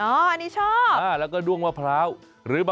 อันนี้ชอบ